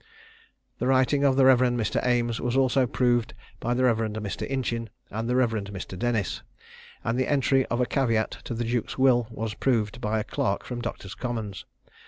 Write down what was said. The writing of the Rev. Mr. Ames was also proved by the Rev. Mr. Inchin and the Rev. Mr. Dennis; and the entry of a caveat to the duke's will was proved by a clerk from Doctors' Commons.